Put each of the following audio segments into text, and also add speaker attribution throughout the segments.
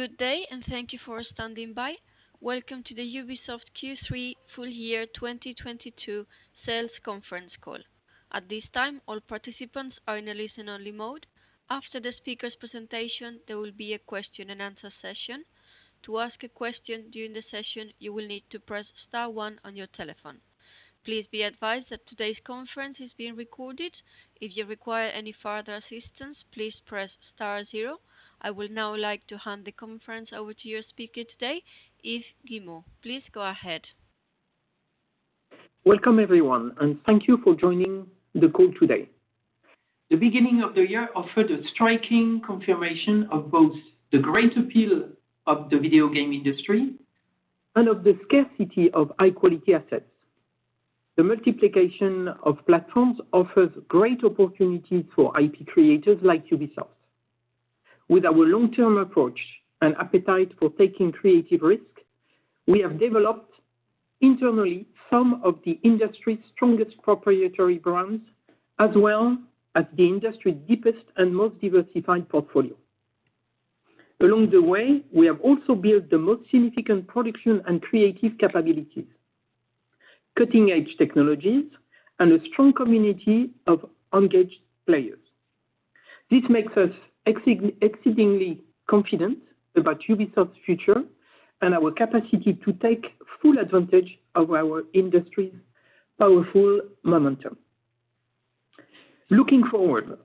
Speaker 1: Good day and thank you for standing by. Welcome to the Ubisoft Q3 full year 2022 sales conference call. At this time, all participants are in a listen-only mode. After the speaker's presentation, there will be a question and answer session. To ask a question during the session, you will need to press star one on your telephone. Please be advised that today's conference is being recorded. If you require any further assistance, please press star zero. I would now like to hand the conference over to your speaker today, Yves Guillemot. Please go ahead.
Speaker 2: Welcome everyone, and thank you for joining the call today. The beginning of the year offered a striking confirmation of both the great appeal of the video game industry and of the scarcity of high-quality assets. The multiplication of platforms offers great opportunity for IP creators like Ubisoft. With our long-term approach and appetite for taking creative risk, we have developed internally some of the industry's strongest proprietary brands, as well as the industry's deepest and most diversified portfolio. Along the way, we have also built the most significant production and creative capabilities, cutting-edge technologies, and a strong community of engaged players. This makes us exceedingly confident about Ubisoft's future and our capacity to take full advantage of our industry's powerful momentum. Looking forward,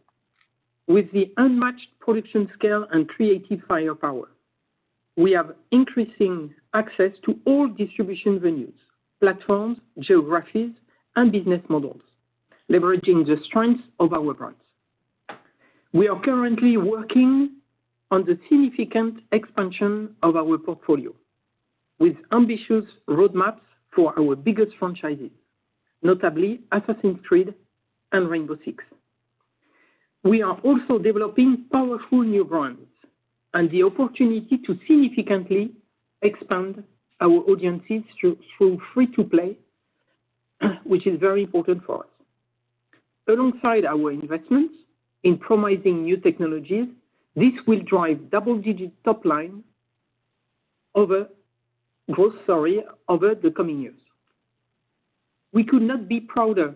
Speaker 2: with the unmatched production scale and creative firepower, we have increasing access to all distribution venues, platforms, geographies, and business models, leveraging the strengths of our brands. We are currently working on the significant expansion of our portfolio with ambitious roadmaps for our biggest franchises, notably Assassin's Creed and Rainbow Six. We are also developing powerful new brands and the opportunity to significantly expand our audiences through free-to-play, which is very important for us. Alongside our investments in promising new technologies, this will drive double-digit top line growth over the coming years. We could not be prouder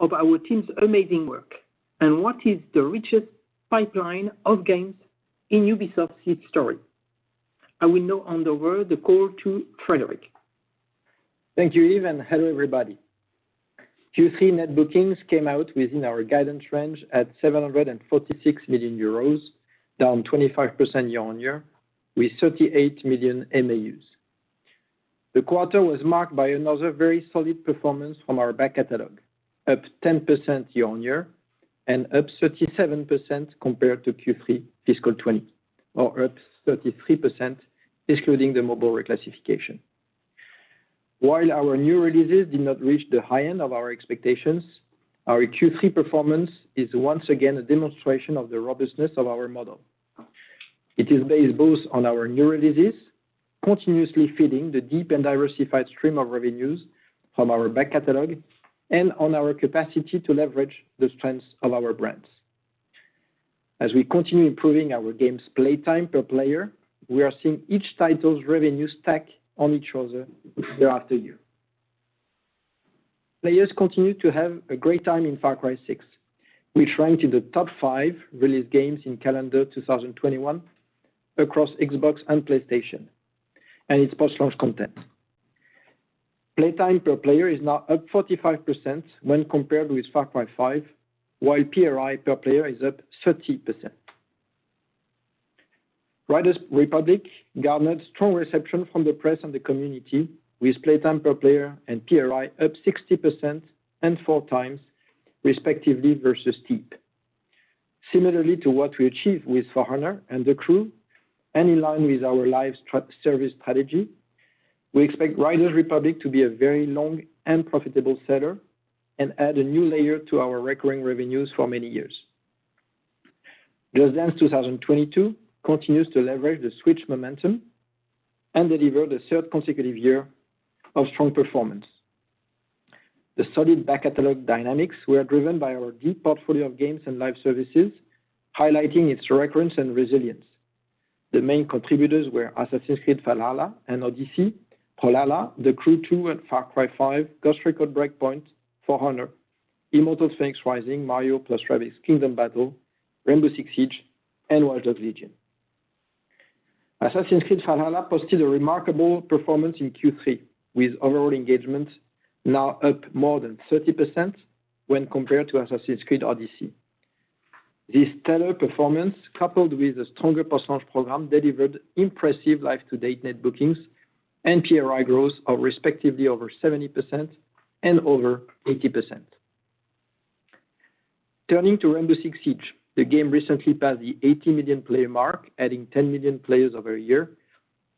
Speaker 2: of our team's amazing work and what is the richest pipeline of games in Ubisoft's history. I will now hand over the call to Frédérick.
Speaker 3: Thank you, Yves, and hello everybody. Q3 net bookings came out within our guidance range at 746 million euros, down 25% year-on-year with 38 million MAUs. The quarter was marked by another very solid performance from our back catalog, up 10% year-on-year and up 37% compared to Q3 fiscal 2020 or up 33%, excluding the mobile reclassification. While our new releases did not reach the high end of our expectations, our Q3 performance is once again a demonstration of the robustness of our model. It is based both on our new releases, continuously feeding the deep and diversified stream of revenues from our back catalog and on our capacity to leverage the strengths of our brands. As we continue improving our games play time per player, we are seeing each title's revenue stack on each other year-after-year. Players continue to have a great time in Far Cry 6, which ranked in the top five released games in calendar 2021 across Xbox and PlayStation and its post-launch content. Play time per player is now up 45% when compared with Far Cry 5, while PRI per player is up 30%. Riders Republic garnered strong reception from the press and the community with play time per player and PRI up 60% and 4x respectively versus Steep. Similarly to what we achieved with For Honor and The Crew and in line with our live service strategy, we expect Riders Republic to be a very long and profitable seller and add a new layer to our recurring revenues for many years. Just Dance 2022 continues to leverage the Switch momentum and deliver the third consecutive year of strong performance. The studied back catalog dynamics were driven by our deep portfolio of games and live services, highlighting its recurrence and resilience. The main contributors were Assassin's Creed Valhalla and Odyssey, Brawlhalla, The Crew 2 and Far Cry 5, Ghost Recon Breakpoint, For Honor, Immortals Fenyx Rising, Mario + Rabbids Kingdom Battle, Rainbow Six Siege, and Watch Dogs: Legion. Assassin's Creed Valhalla posted a remarkable performance in Q3 with overall engagement now up more than 30% when compared to Assassin's Creed Odyssey. This stellar performance, coupled with a stronger post-launch program, delivered impressive life-to-date net bookings and PRI growth of respectively over 70% and over 80%. Turning to Rainbow Six Siege, the game recently passed the 80 million player mark, adding 10 million players over a year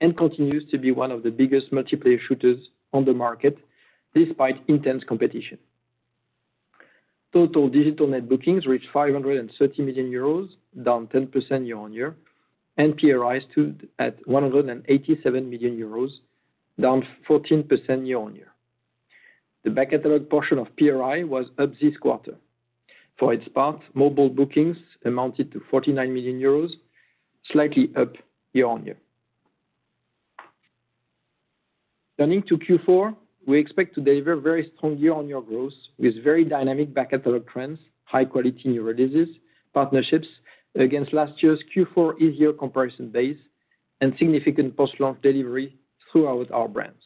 Speaker 3: and continues to be one of the biggest multiplayer shooters on the market despite intense competition. Total digital net bookings reached 530 million euros, down 10% year-on-year, and PRI stood at 187 million euros, down 14% year-on-year. The back catalog portion of PRI was up this quarter. For its part, mobile bookings amounted to 49 million euros, slightly up year-on-year. Turning to Q4, we expect to deliver very strong year-on-year growth with very dynamic back catalog trends, high quality new releases, partnerships against last year's Q4 easier comparison base and significant post-launch delivery throughout our brands.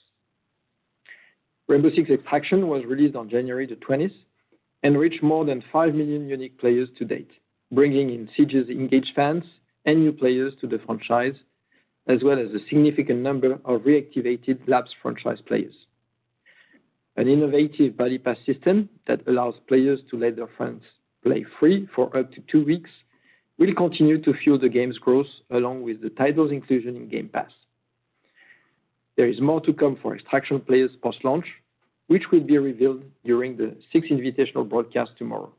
Speaker 3: Rainbow Six Extraction was released on January 20 and reached more than 5 million unique players to date, bringing in Siege's engaged fans and new players to the franchise, as well as a significant number of reactivated lapsed franchise players. An innovative Buddy Pass system that allows players to let their friends play free for up to two weeks will continue to fuel the game's growth along with the title's inclusion in Game Pass. There is more to come for Extraction players post-launch, which will be revealed during the Six Invitational broadcast tomorrow.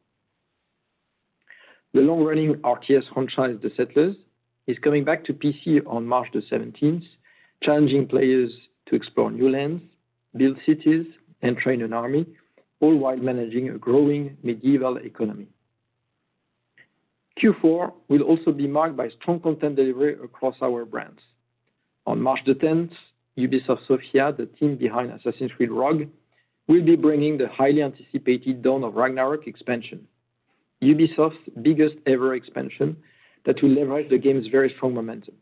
Speaker 3: The long-running RTS franchise, The Settlers, is coming back to PC on March 17, challenging players to explore new lands, build cities, and train an army, all while managing a growing medieval economy. Q4 will also be marked by strong content delivery across our brands. On March 10, Ubisoft Sofia, the team behind Assassin's Creed Rogue, will be bringing the highly anticipated Dawn of Ragnarök expansion, Ubisoft's biggest ever expansion that will leverage the game's very strong momentum.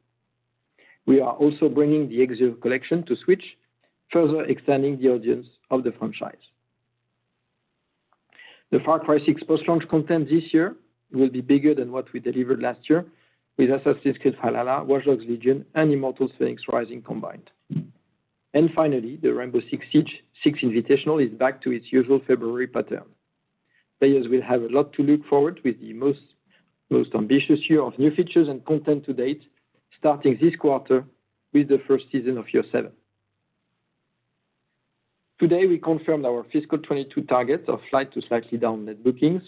Speaker 3: We are also bringing the Ezio Collection to Switch, further extending the audience of the franchise. The Far Cry 6 post-launch content this year will be bigger than what we delivered last year with Assassin's Creed Valhalla, Watch Dogs: Legion, and Immortals Fenyx Rising combined. Finally, the Rainbow Six Siege Six Invitational is back to its usual February pattern. Players will have a lot to look forward to with the most ambitious year of new features and content to date, starting this quarter with the first season of year seven. Today, we confirmed our fiscal 2022 targets of slight to slightly down net bookings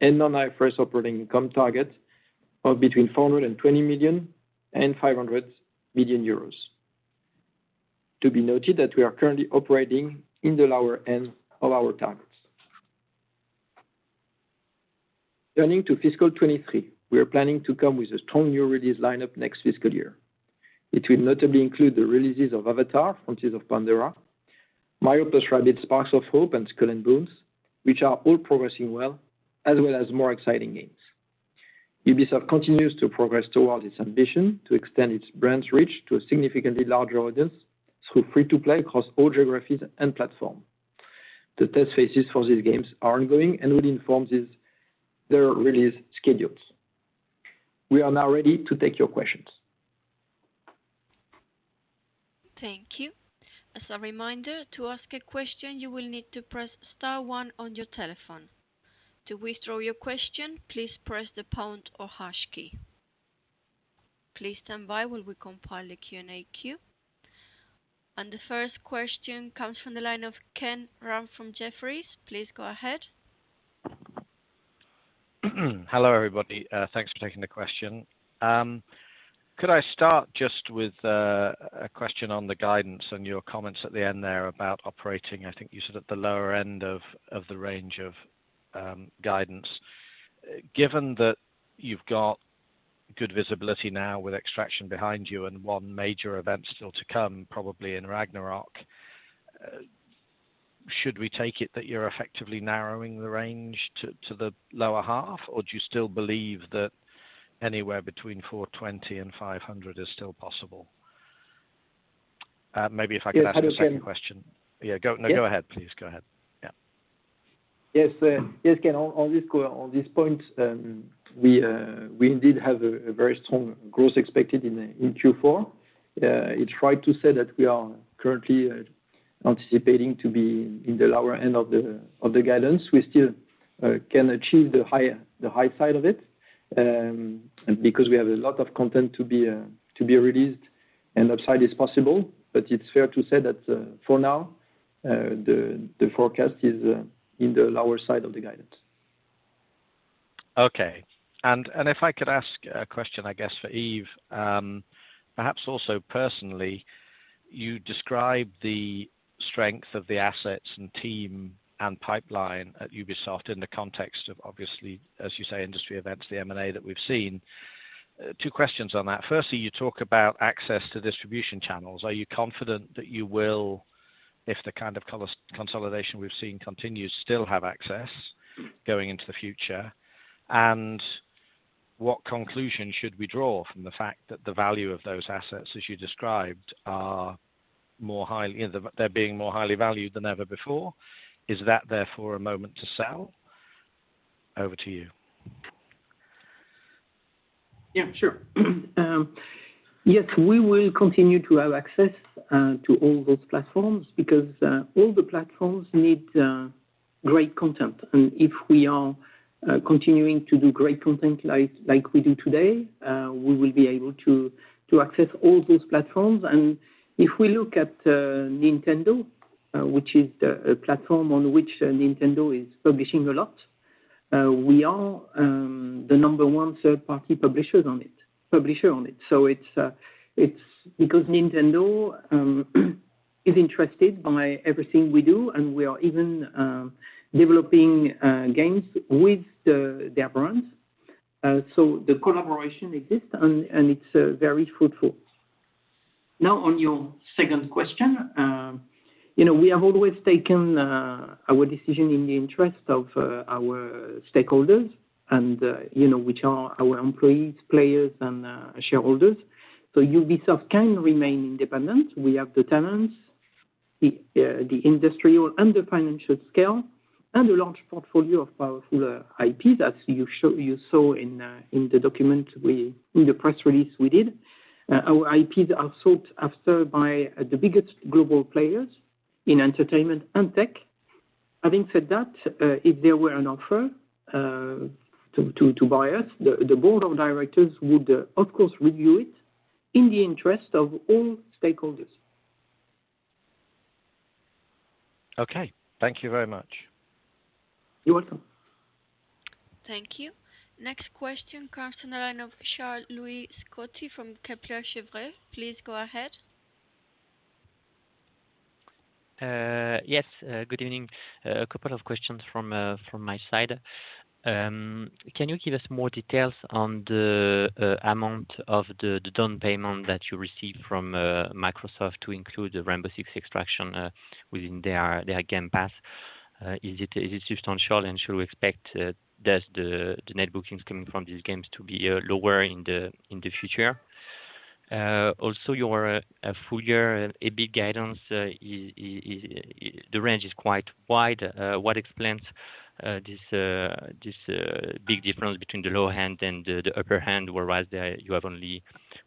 Speaker 3: and non-IFRS operating income targets of between 420 million and 500 million euros. To be noted that we are currently operating in the lower end of our targets. Turning to fiscal 2023, we are planning to come with a strong new release lineup next fiscal year. It will notably include the releases of Avatar: Frontiers of Pandora, Mario + Rabbids Sparks of Hope, and Skull and Bones, which are all progressing well, as well as more exciting games. Ubisoft continues to progress towards its ambition to extend its brand's reach to a significantly larger audience through free-to-play across all geographies and platform. The test phases for these games are ongoing and will inform their release schedules. We are now ready to take your questions.
Speaker 1: Thank you. As a reminder, to ask a question, you will need to press star one on your telephone. To withdraw your question, please press the pound or hash key. Please stand by while we compile a Q&A queue. The first question comes from the line of Ken Rumph from Jefferies. Please go ahead.
Speaker 4: Hello, everybody. Thanks for taking the question. Could I start just with a question on the guidance and your comments at the end there about operating, I think you said, at the lower end of the range of guidance. Given that you've got good visibility now with Extraction behind you and one major event still to come, probably in Ragnarok, should we take it that you're effectively narrowing the range to the lower half? Or do you still believe that anywhere between 420 and 500 is still possible? Maybe if I could ask a second question.
Speaker 3: Yes, Ken.
Speaker 4: Yeah. No, go ahead. Please go ahead. Yeah.
Speaker 3: Yes. Yes, Ken, on this point, we indeed have a very strong growth expected in Q4. It's right to say that we are currently anticipating to be in the lower end of the guidance. We still can achieve the high side of it, because we have a lot of content to be released and upside is possible. But it's fair to say that for now the forecast is in the lower side of the guidance.
Speaker 4: If I could ask a question, I guess, for Yves, perhaps also personally, you describe the strength of the assets and team and pipeline at Ubisoft in the context of obviously, as you say, industry events, the M&A that we've seen. Two questions on that. Firstly, you talk about access to distribution channels. Are you confident that you will, if the kind of consolidation we've seen continues, still have access going into the future? What conclusion should we draw from the fact that the value of those assets, as you described, are more highly valued than ever before? You know, they're being more highly valued than ever before. Is that therefore a moment to sell? Over to you.
Speaker 2: Yeah, sure. Yes, we will continue to have access to all those platforms because all the platforms need great content. If we are continuing to do great content like we do today, we will be able to access all those platforms. If we look at Nintendo, which is the platform on which Nintendo is publishing a lot
Speaker 3: We are the number one third-party publisher on it. It's because Nintendo is interested in everything we do, and we are even developing games with their brands. The collaboration exists and it's very fruitful. Now, on your second question, you know, we have always taken our decision in the interest of our stakeholders and, you know, which are our employees, players and shareholders. Ubisoft can remain independent. We have the talents, the industry and the financial scale and a large portfolio of powerful IP that you saw in the press release we did. Our IPs are sought after by the biggest global players in entertainment and tech. Having said that, if there were an offer to buy us, the board of directors would, of course, review it in the interest of all stakeholders.
Speaker 4: Okay. Thank you very much.
Speaker 3: You're welcome.
Speaker 1: Thank you. Next question comes on the line of Charles-Louis Scotti from Kepler Cheuvreux. Please go ahead.
Speaker 5: Yes, good evening. A couple of questions from my side. Can you give us more details on the amount of the down payment that you received from Microsoft to include the Rainbow Six Extraction within their Game Pass? Is it substantial, and should we expect the net bookings coming from these games to be lower in the future? Also your full year EBIT guidance is, the range is quite wide. What explains this big difference between the lower end and the upper end, whereas you have only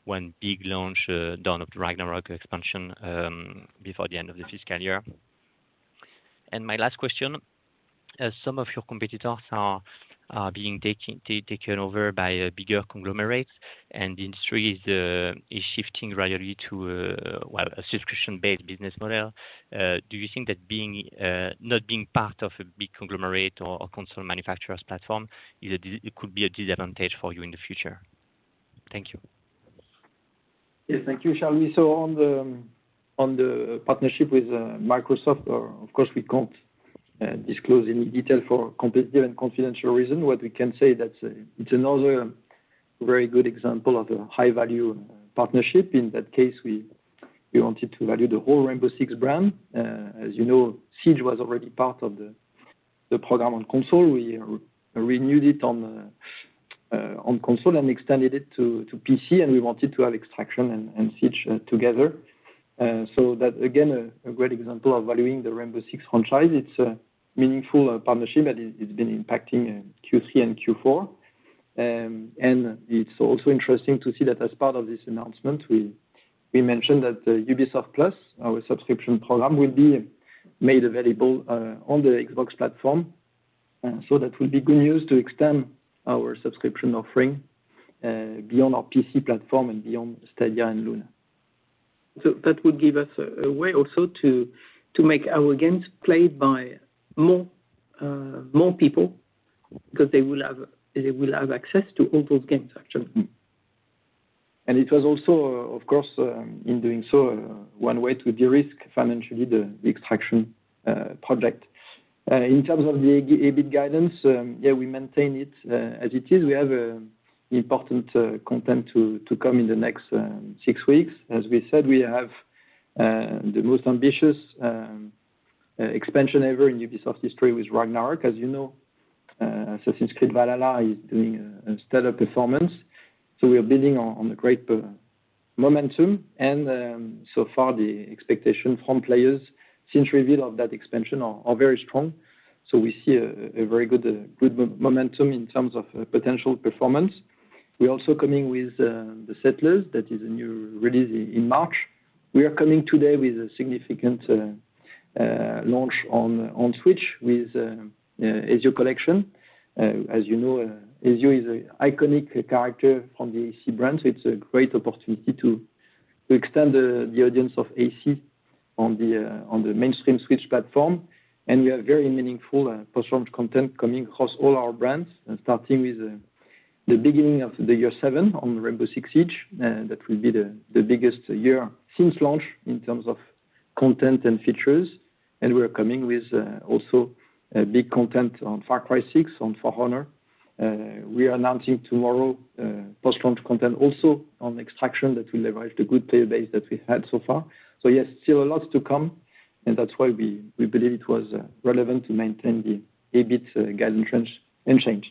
Speaker 5: one big launch, Dawn of Ragnarök expansion, before the end of the fiscal year? My last question, as some of your competitors are being taken over by bigger conglomerates and the industry is shifting gradually to, well, a subscription-based business model, do you think that not being part of a big conglomerate or a console manufacturer's platform, it could be a disadvantage for you in the future? Thank you.
Speaker 3: Yes, thank you, Charles-Louis Scotti. On the partnership with Microsoft, of course, we can't disclose any detail for competitive and confidential reason. What we can say that it's another very good example of a high-value partnership. In that case, we wanted to value the whole Rainbow Six brand. As you know, Siege was already part of the program on console. We renewed it on console and extended it to PC, and we wanted to have Extraction and Siege together. That, again, a great example of valuing the Rainbow Six franchise. It's a meaningful partnership, and it's been impacting Q3 and Q4. It's also interesting to see that as part of this announcement, we mentioned that Ubisoft Plus, our subscription program, will be made available on the Xbox platform. That will be good news to extend our subscription offering beyond our PC platform and beyond Stadia and Luna. That would give us a way also to make our games played by more people because they will have access to all those games actually. It was also, of course, in doing so, one way to de-risk financially the Extraction project. In terms of the EBIT guidance, yeah, we maintain it as it is. We have important content to come in the next 6 weeks. As we said, we have the most ambitious expansion ever in Ubisoft's history with Ragnarok. As you know, Assassin's Creed Valhalla is doing a stellar performance, so we are building on the great momentum. So far, the expectation from players since reveal of that expansion are very strong. So we see a very good momentum in terms of potential performance. We're also coming with The Settlers. That is a new release in March. We are coming today with a significant launch on Switch with The Ezio Collection. As you know, Ezio is an iconic character from the AC brand, so it's a great opportunity to extend the audience of AC on the mainstream Switch platform. We have very meaningful post-launch content coming across all our brands and starting with the beginning of Year 7 on Rainbow Six Siege. That will be the biggest year since launch in terms of content and features. We are coming with big content on Far Cry 6, on For Honor. We are announcing tomorrow post-launch content also on Rainbow Six Extraction that will revive the good player base that we had so far. Yes, still a lot to come, and that's why we believe it was relevant to maintain the EBIT guidance unchanged.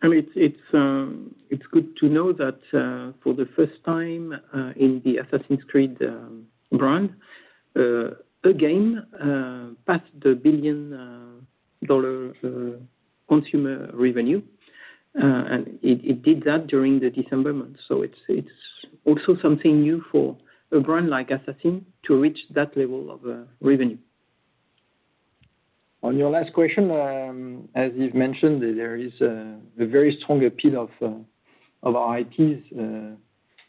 Speaker 3: I mean, it's good to know that for the first time in the Assassin's Creed brand, a game passed the $1 billion consumer revenue. And it did that during the December month. It's also something new for a brand like Assassin's Creed to reach that level of revenue. On your last question, as you've mentioned, there is a very strong appeal of, Of our IPs,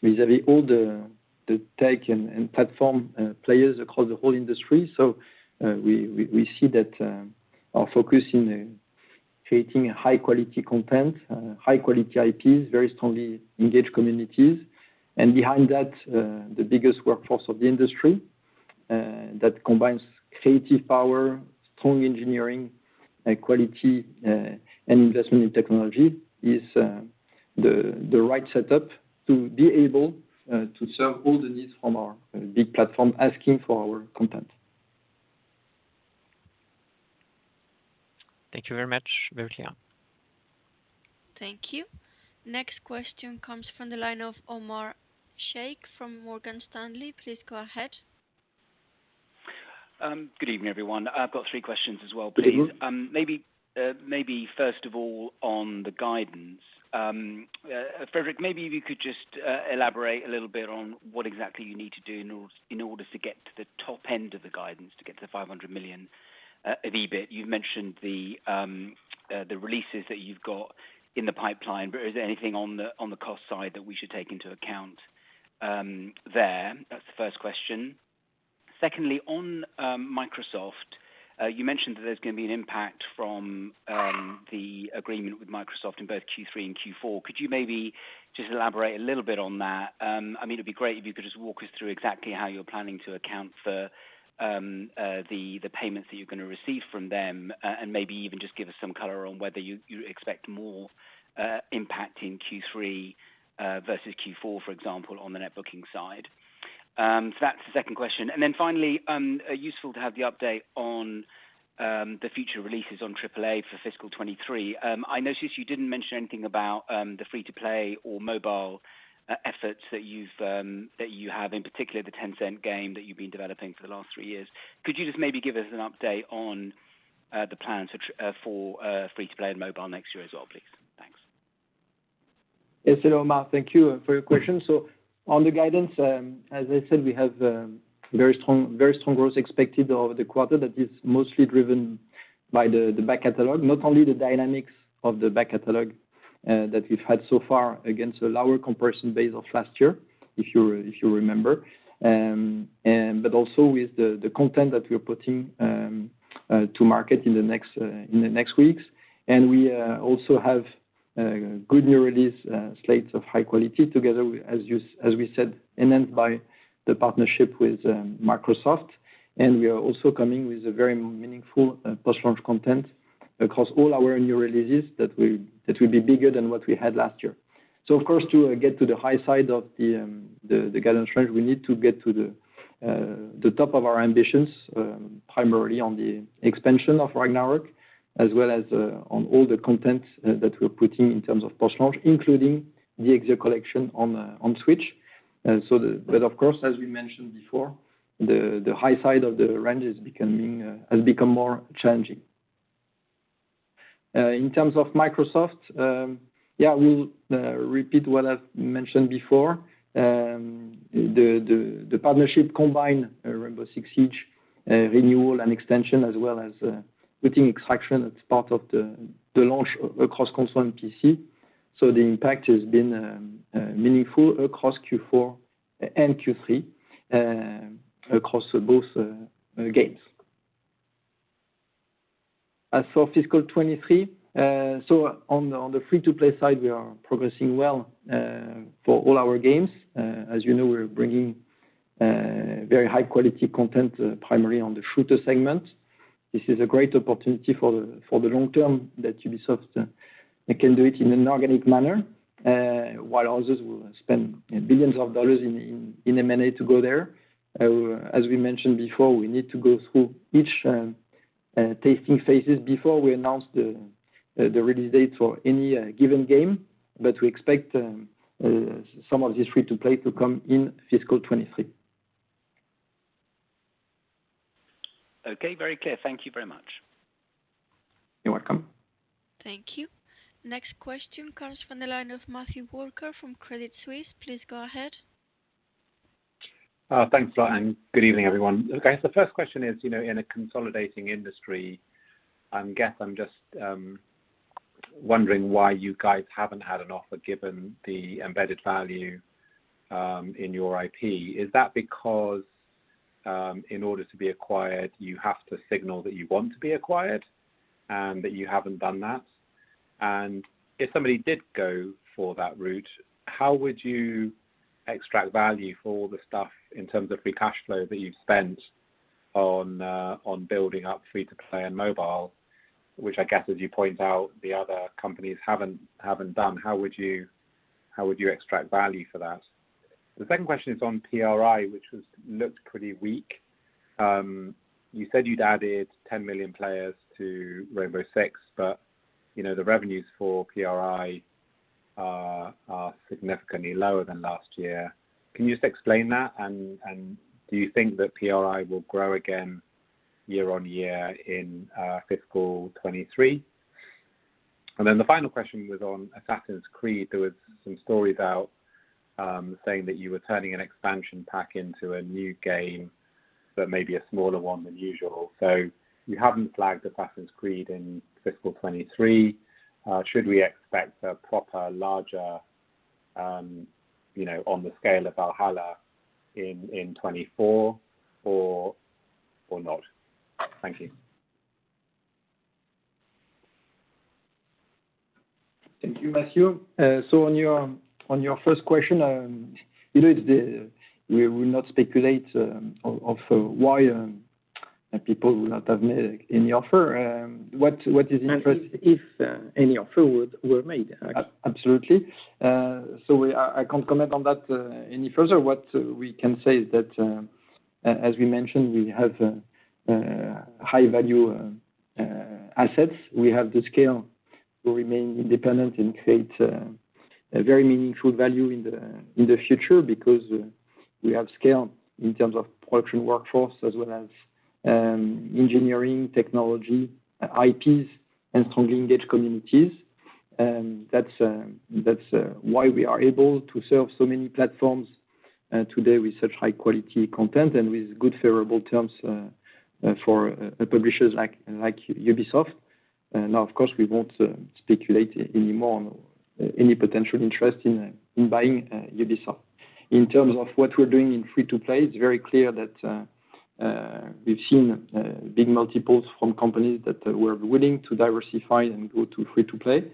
Speaker 3: vis-a-vis all the tech and platform players across the whole industry. We see that our focus in creating high quality content, high quality IPs, very strongly engaged communities. Behind that, the biggest workforce of the industry that combines creative power, strong engineering, quality, and investment in technology is the right setup to be able to serve all the needs from our big platform asking for our content.
Speaker 5: Thank you very much, Virginia.
Speaker 1: Thank you. Next question comes from the line of Omar Sheikh from Morgan Stanley. Please go ahead.
Speaker 6: Good evening, everyone. I've got three questions as well, please.
Speaker 3: Good evening.
Speaker 6: Maybe first of all, on the guidance. Frédérick, maybe if you could just elaborate a little bit on what exactly you need to do in order to get to the top end of the guidance to get to 500 million of EBIT. You've mentioned the releases that you've got in the pipeline, but is there anything on the cost side that we should take into account there? That's the first question. Secondly, on Microsoft, you mentioned that there's gonna be an impact from the agreement with Microsoft in both Q3 and Q4. Could you maybe just elaborate a little bit on that? I mean, it'd be great if you could just walk us through exactly how you're planning to account for the payments that you're gonna receive from them, and maybe even just give us some color on whether you expect more impact in Q3 versus Q4, for example, on the net booking side. So that's the second question. Finally, useful to have the update on the future releases on triple-A for fiscal 2023. I noticed you didn't mention anything about the free-to-play or mobile efforts that you have, in particular the Tencent game that you've been developing for the last three years. Could you just maybe give us an update on the plans for free-to-play and mobile next year as well, please? Thanks.
Speaker 3: Yes, hello, Omar. Thank you for your question. On the guidance, as I said, we have very strong growth expected over the quarter that is mostly driven by the back catalog. Not only the dynamics of the back catalog that we've had so far against a lower comparison base of last year, if you remember, but also with the content that we're putting to market in the next weeks. We also have good new release slates of high quality together with, as we said, enhanced by the partnership with Microsoft. We are also coming with a very meaningful post-launch content across all our new releases that will be bigger than what we had last year. Of course, to get to the high side of the guidance range, we need to get to the top of our ambitions, primarily on the expansion of Ragnarök as well as on all the content that we're putting in terms of post-launch, including the Ezio Collection on Switch. Of course, as we mentioned before, the high side of the range has become more challenging. In terms of Microsoft, yeah, we'll repeat what I've mentioned before. The partnership combined Rainbow Six Siege renewal and extension as well as putting Extraction as part of the launch across console and PC. The impact has been meaningful across Q4 and Q3, across both games. As for fiscal 2023, so on the free-to-play side, we are progressing well for all our games. As you know, we're bringing very high quality content, primarily on the shooter segment. This is a great opportunity for the long term that Ubisoft can do it in an organic manner, while others will spend billions of dollars in M&A to go there. As we mentioned before, we need to go through each testing phases before we announce the release date for any given game. We expect some of these free-to-play to come in fiscal 2023.
Speaker 6: Okay, very clear. Thank you very much.
Speaker 3: You're welcome.
Speaker 1: Thank you. Next question comes from the line of Matthew Walker from Credit Suisse. Please go ahead.
Speaker 7: Thanks a lot, and good evening, everyone. Okay, the first question is, you know, in a consolidating industry, I guess I'm just wondering why you guys haven't had an offer given the embedded value in your IP. Is that because, in order to be acquired, you have to signal that you want to be acquired, and that you haven't done that? If somebody did go for that route, how would you extract value for all the stuff in terms of free cash flow that you've spent on building up free-to-play and mobile, which I guess, as you point out, the other companies haven't done. How would you extract value for that? The second question is on PRI, which looked pretty weak. You said you'd added 10 million players to Rainbow Six, but, you know, the revenues for PRI are significantly lower than last year. Can you just explain that, and do you think that PRI will grow again year-on-year in fiscal 2023? Then the final question was on Assassin's Creed. There was some stories out, saying that you were turning an expansion pack into a new game, but maybe a smaller one than usual. You haven't flagged Assassin's Creed in fiscal 2023. Should we expect a proper larger, you know, on the scale of Valhalla in 2024 or not? Thank you.
Speaker 3: Thank you, Matthew. On your first question, you know, we will not speculate on why people will not have made any offer. What is interesting-
Speaker 2: If any offer were made, actually.
Speaker 3: Absolutely. I can't comment on that any further. What we can say is that, as we mentioned, we have high value assets. We have the scale to remain independent and create a very meaningful value in the future because we have scale in terms of production workforce as well as engineering, technology, IPs, and strong engaged communities. That's why we are able to serve so many platforms today with such high quality content and with good favorable terms for publishers like Ubisoft. Now, of course, we won't speculate any more on any potential interest in buying Ubisoft. In terms of what we're doing in free to play, it's very clear that we've seen big multiples from companies that were willing to diversify and go to free to play.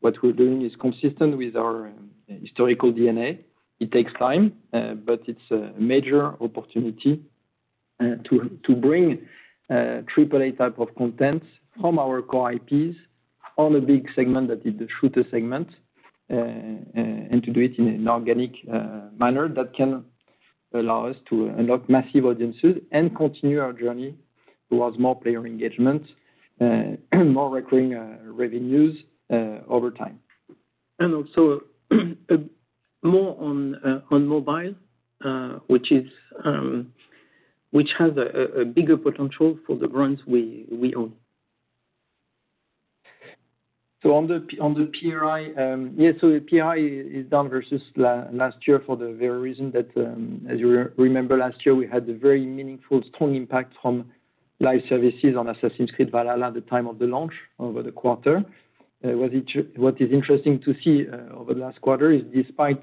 Speaker 3: What we're doing is consistent with our historical DNA. It takes time, but it's a major opportunity to bring triple A type of content from our core IPs on a big segment that is the shooter segment, and to do it in an organic manner that can allow us to unlock massive audiences and continue our journey towards more player engagement, more recurring revenues, over time.
Speaker 2: Also, more on mobile, which has a bigger potential for the brands we own.
Speaker 3: The PRI is down versus last year for the very reason that, as you remember, last year, we had a very meaningful strong impact from live services on Assassin's Creed Valhalla at the time of the launch over the quarter. What is interesting to see over the last quarter is despite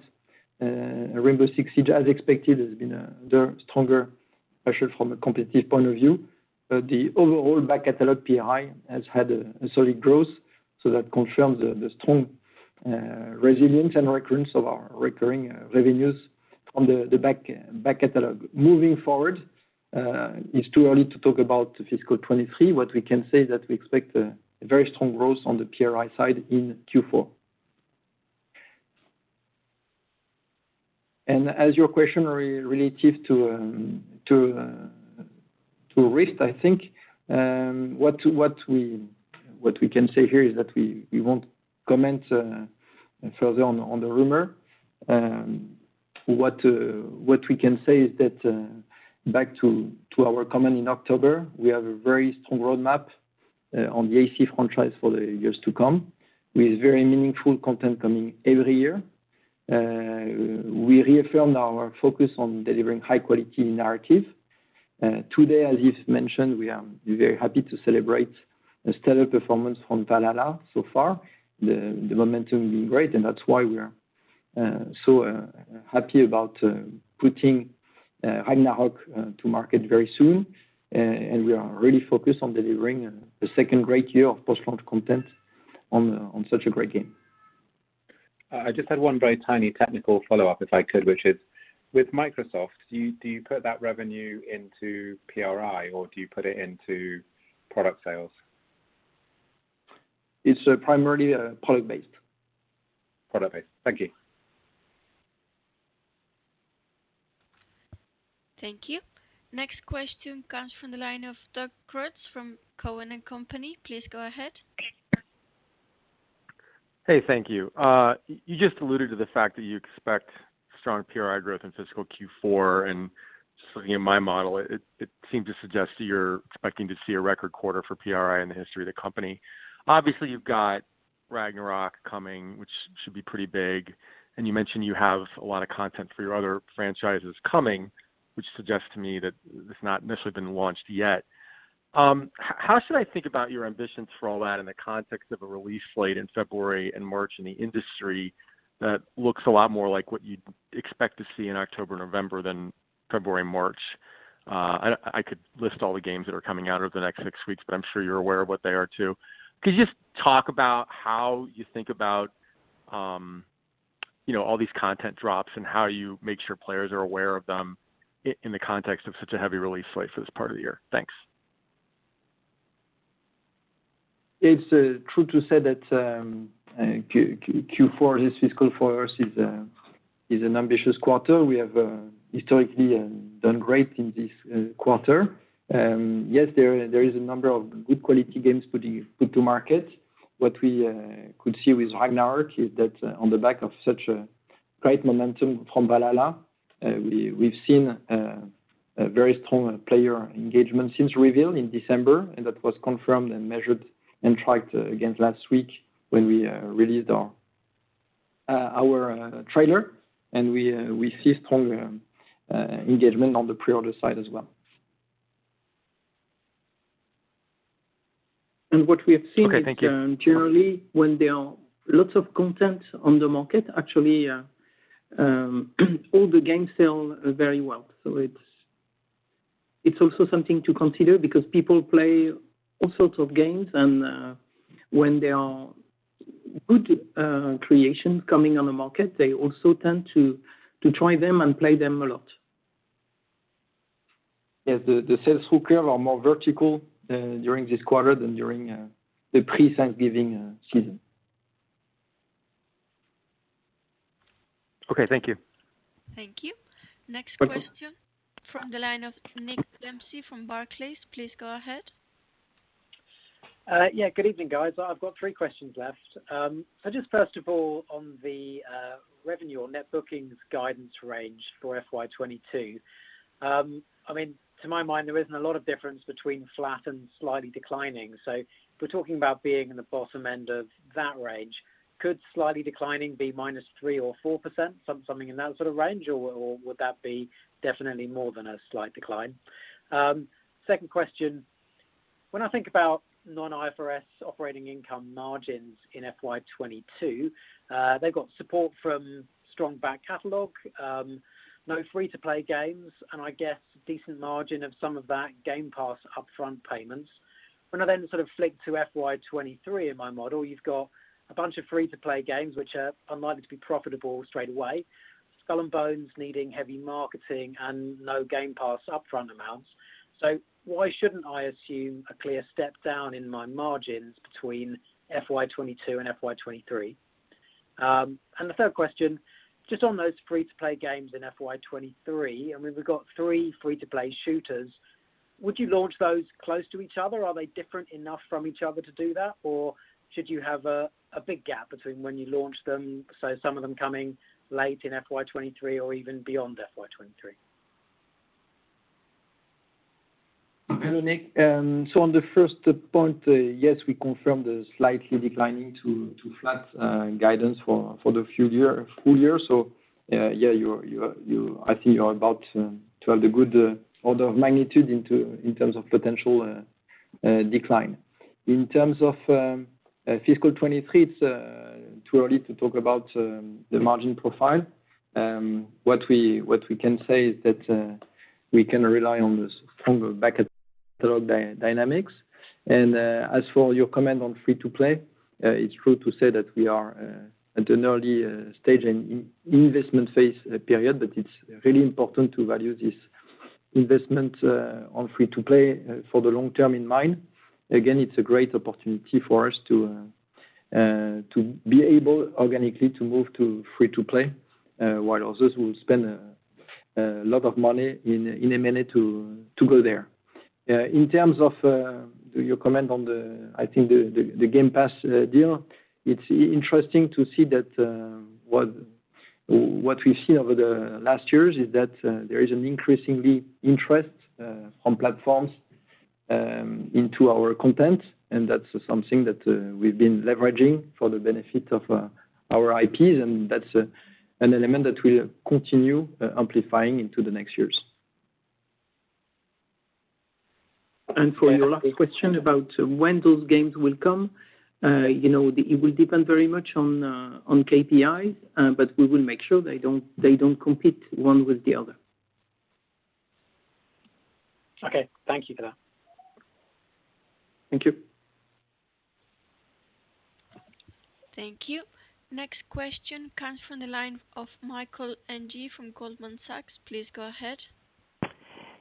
Speaker 3: Rainbow Six Siege, as expected, has been the stronger pressure from a competitive point of view. The overall back catalog PRI has had a solid growth. That confirms the strong resilience and recurrence of our recurring revenues from the back catalog. Moving forward, it's too early to talk about fiscal 2023. What we can say is that we expect a very strong growth on the PRI side in Q4. As your question relative to risk, I think what we can say here is that we won't comment further on the rumor. What we can say is that back to our comment in October, we have a very strong roadmap on the AC franchise for the years to come, with very meaningful content coming every year. We reaffirmed our focus on delivering high-quality narrative. Today, as Yves mentioned, we are very happy to celebrate a stellar performance from Valhalla so far. The momentum has been great, and that's why we are so happy about putting Ragnarök to market very soon. We are really focused on delivering the second great year of post-launch content on such a great game.
Speaker 7: I just had one very tiny technical follow-up, if I could, which is, with Microsoft, do you put that revenue into PRI, or do you put it into product sales?
Speaker 3: It's primarily product-based.
Speaker 7: Product-based. Thank you.
Speaker 1: Thank you. Next question comes from the line of Doug Creutz from Cowen and Company. Please go ahead.
Speaker 8: Hey, thank you. You just alluded to the fact that you expect strong PRI growth in fiscal Q4, and just looking at my model, it seems to suggest that you're expecting to see a record quarter for PRI in the history of the company. Obviously, you've got Ragnarök coming, which should be pretty big, and you mentioned you have a lot of content for your other franchises coming, which suggests to me that it's not necessarily been launched yet. How should I think about your ambitions for all that in the context of a release slate in February and March in the industry that looks a lot more like what you'd expect to see in October, November than February, March? I could list all the games that are coming out over the next six weeks, but I'm sure you're aware of what they are too. Could you just talk about how you think about, you know, all these content drops and how you make sure players are aware of them in the context of such a heavy release slate for this part of the year? Thanks.
Speaker 3: It's true to say that Q4 this fiscal for us is an ambitious quarter. We have historically done great in this quarter. Yes, there is a number of good quality games put to market. What we could see with Ragnarök is that on the back of such a great momentum from Valhalla, we've seen a very strong player engagement since reveal in December, and that was confirmed and measured and tracked again last week when we released our trailer, and we see strong engagement on the pre-order side as well.
Speaker 2: What we have seen is.
Speaker 8: Okay, thank you. Generally, when there are lots of content on the market, actually, all the games sell very well. It's also something to consider because people play all sorts of games, and when there are good creations coming on the market, they also tend to try them and play them a lot.
Speaker 3: Yes. The sales we clear are more vertical during this quarter than during the pre-Thanksgiving season.
Speaker 8: Okay, thank you.
Speaker 1: Thank you. Next question from the line of Nick Dempsey from Barclays. Please go ahead.
Speaker 9: Yeah. Good evening, guys. I've got three questions left. Just first of all, on the revenue or net bookings guidance range for FY 2022. I mean, to my mind, there isn't a lot of difference between flat and slightly declining. If we're talking about being in the bottom end of that range, could slightly declining be minus 3% or 4%, something in that sort of range, or would that be definitely more than a slight decline? Second question: when I think about non-IFRS operating income margins in FY 2022, they've got support from strong back catalog, no free-to-play games, and I guess decent margin of some of that Game Pass upfront payments. When I then sort of flick to FY 2023 in my model, you've got a bunch of free-to-play games which are unlikely to be profitable straight away, Skull and Bones needing heavy marketing and no Game Pass upfront amounts. Why shouldn't I assume a clear step down in my margins between FY 2022 and FY 2023? The third question, just on those free-to-play games in FY 2023, I mean, we've got three free-to-play shooters. Would you launch those close to each other? Are they different enough from each other to do that, or should you have a big gap between when you launch them, so some of them coming late in FY 2023 or even beyond FY 2023?
Speaker 3: Hello, Nick. On the first point, yes, we confirmed the slightly declining to flat guidance for the future full year. Yeah, I think you're about to have the good order of magnitude in terms of potential decline. In terms of fiscal 2023, it's too early to talk about the margin profile. What we can say is that we can rely on the stronger back catalog dynamics. As for your comment on free-to-play, it's true to say that we are at an early stage in investment phase period, but it's really important to value this investment on free-to-play for the long-term in mind. Again, it's a great opportunity for us to be able organically to move to free-to-play, while others will spend a lot of money in a minute to go there. In terms of your comment on the, I think, the Game Pass deal, it's interesting to see that what we've seen over the last years is that there is an increasing interest on platforms into our content, and that's something that we've been leveraging for the benefit of our IPs, and that's an element that we'll continue amplifying into the next years.
Speaker 2: For your last question about when those games will come, you know, it will depend very much on KPIs, but we will make sure they don't compete one with the other.
Speaker 9: Okay. Thank you for that.
Speaker 3: Thank you.
Speaker 1: Thank you. Next question comes from the line of Michael Ng from Goldman Sachs. Please go ahead.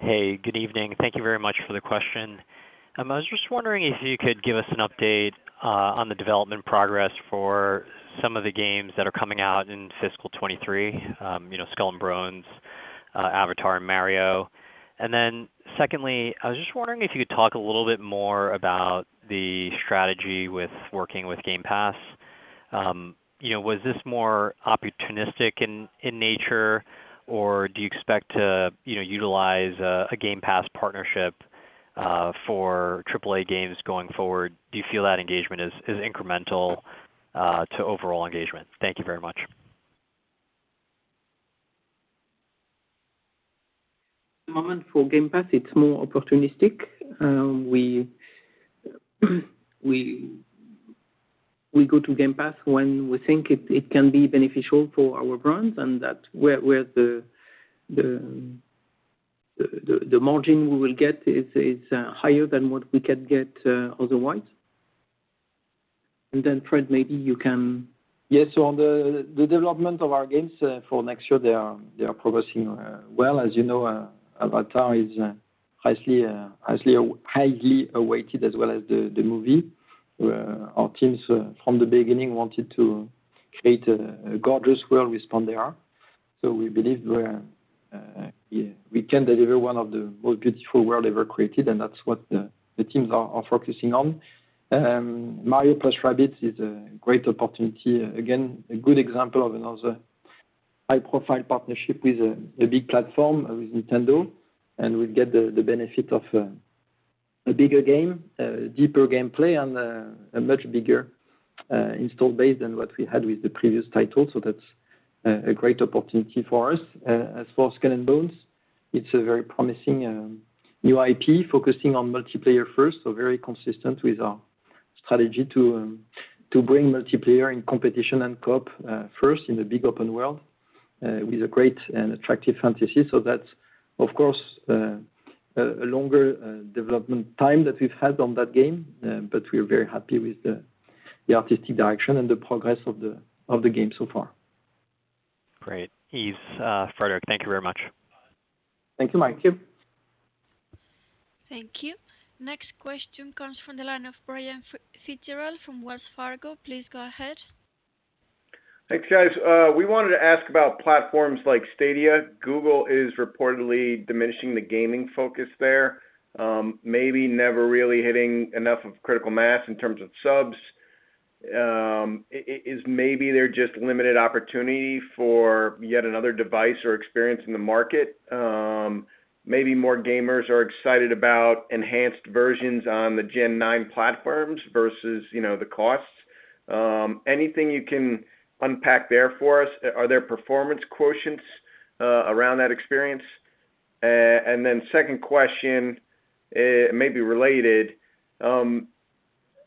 Speaker 10: Hey, good evening. Thank you very much for the question. I was just wondering if you could give us an update on the development progress for some of the games that are coming out in fiscal 2023, you know, Skull and Bones, Avatar and Mario. Secondly, I was just wondering if you could talk a little bit more about the strategy with working with Game Pass. You know, was this more opportunistic in nature, or do you expect to, you know, utilize a Game Pass partnership for triple A games going forward? Do you feel that engagement is incremental to overall engagement? Thank you very much.
Speaker 2: At the moment for Game Pass, it's more opportunistic. We go to Game Pass when we think it can be beneficial for our brands and that's where the margin we will get is higher than what we can get otherwise. Fred, maybe you can.
Speaker 3: Yes. On the development of our games for next year, they are progressing well. As you know, Avatar is nicely highly awaited, as well as the movie, where our teams from the beginning wanted to create a gorgeous world with Pandora. We believe we can deliver one of the most beautiful world ever created, and that's what the teams are focusing on. Mario + Rabbids is a great opportunity. Again, a good example of another
Speaker 2: High-profile partnership with a big platform with Nintendo, and we get the benefit of a bigger game, a deeper gameplay and a much bigger install base than what we had with the previous title. That's a great opportunity for us. As for Skull and Bones, it's a very promising new IP focusing on multiplayer first, so very consistent with our strategy to bring multiplayer in competition and co-op first in the big open world with a great and attractive fantasy. That's, of course, a longer development time that we've had on that game, but we are very happy with the artistic direction and the progress of the game so far.
Speaker 10: Great. Yves, Frédérick, thank you very much.
Speaker 2: Thank you, Mike.
Speaker 1: Thank you. Next question comes from the line of Brian Fitzgerald from Wells Fargo. Please go ahead.
Speaker 11: Thanks, guys. We wanted to ask about platforms like Stadia. Google is reportedly diminishing the gaming focus there, maybe never really hitting enough of critical mass in terms of subs. Is maybe there just limited opportunity for yet another device or experience in the market? Maybe more gamers are excited about enhanced versions on the Gen 9 platforms versus, you know, the costs. Anything you can unpack there for us? Are there performance quotients around that experience? Second question, it may be related.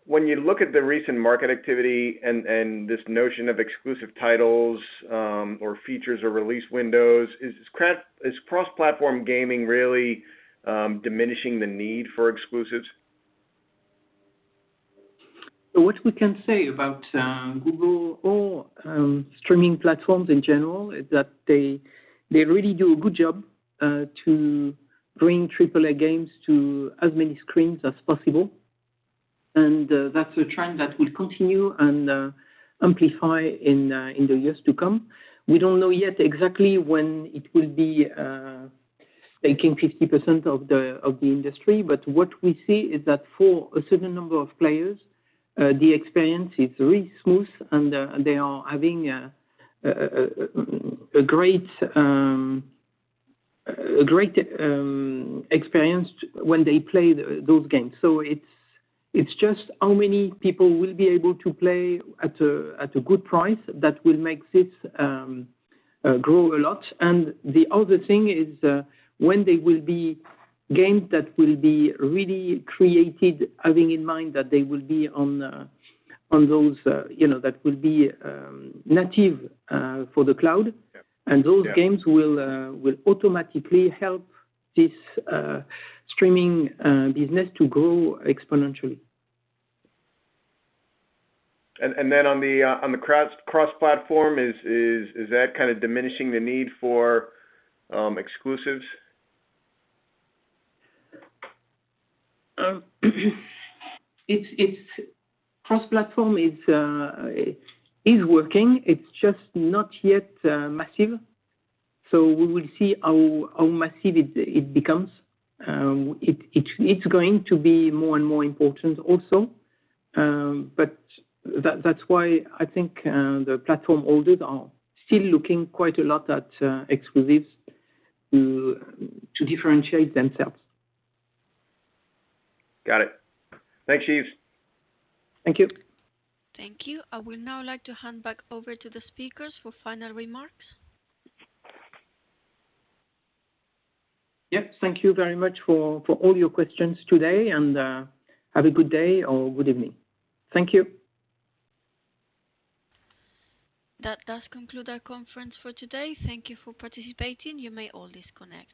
Speaker 11: When you look at the recent market activity and this notion of exclusive titles, or features or release windows, is cross-platform gaming really diminishing the need for exclusives?
Speaker 2: What we can say about Google or streaming platforms in general is that they really do a good job to bring AAA games to as many screens as possible. That's a trend that will continue and amplify in the years to come. We don't know yet exactly when it will be taking 50% of the industry, but what we see is that for a certain number of players the experience is really smooth and they are having a great experience when they play those games. It's just how many people will be able to play at a good price that will make this grow a lot. The other thing is, when there will be games that will be really created having in mind that they will be on those you know that will be native for the cloud.
Speaker 11: Yeah.
Speaker 2: Those games will automatically help this streaming business to grow exponentially.
Speaker 11: On the cross-platform, is that kinda diminishing the need for exclusives?
Speaker 2: Cross-platform is working. It's just not yet massive. We will see how massive it becomes. It's going to be more and more important also. That's why I think the platform holders are still looking quite a lot at exclusives to differentiate themselves.
Speaker 11: Got it. Thanks, Yves.
Speaker 2: Thank you.
Speaker 1: Thank you. I would now like to hand back over to the speakers for final remarks.
Speaker 2: Yep. Thank you very much for all your questions today, and have a good day or good evening. Thank you.
Speaker 1: That does conclude our conference for today. Thank you for participating. You may all disconnect.